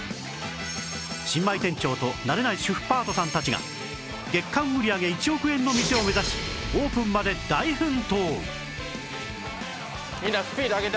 新米店長と慣れない主婦パートさんたちが月間売り上げ１億円の店を目指しオープンまで大奮闘！